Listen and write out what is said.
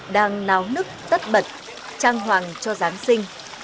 đang náo nức tất bật trang hoàng cho giáng sinh